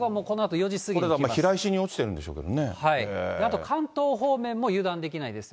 これが避雷針に落ちてるんであと関東方面も油断できないです。